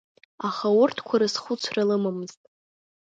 Аха урҭқәа рызхәыцха лымамызт.